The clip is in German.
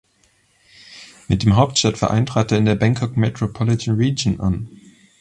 Mit dem Hauptstadtverein trat er in der Bangkok Metropolitan Region an.